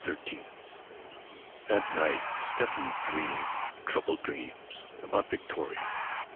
XIII That night Stephen dreamed troubled dreams about Victoria.